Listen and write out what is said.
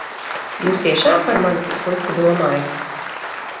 Jūs tiešām par mani tik slikti domājat?